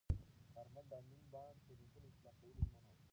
کارمل د امین بانډ د تېروتنو اصلاح کولو ژمنه وکړه.